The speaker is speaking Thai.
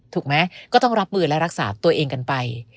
ถูกไหมก็ต้องรับมือและรักษาตัวเองกันไป